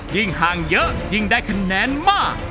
ยิ่งห่างเยอะยิ่งได้คะแนนมาก